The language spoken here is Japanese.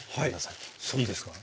いいですか？